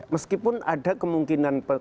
meskipun ada kemungkinan keperluan